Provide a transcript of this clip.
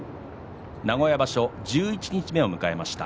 名古屋場所十一日目を迎えました。